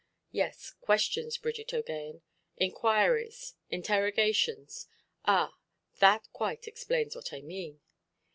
"Yes, questions, Bridget OʼGaghan. Inquiries, interrogations—ah! that quite explains what I mean".